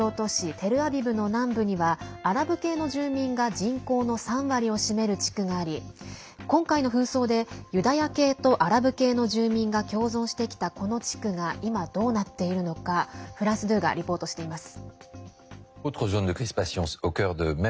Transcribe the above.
テルアビブの南部にはアラブ系の住民が人口の３割を占める地区があり今回の紛争でユダヤ系とアラブ系の住民が共存してきた、この地区が今どうなっているのかフランス２がリポートしています。